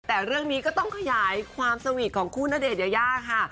แต่เรื่องนี้ก็ต้องขยายความสวีทของคู่ณเดชนยายาค่ะ